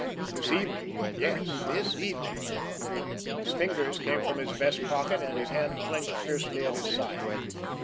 This evening! Yes, this evening! His fingers came from his vest pocket, and his hand clenched fiercely at his side.